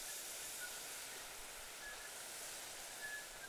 Opatření na zavedení nové strategie byla odsunuta do pozadí.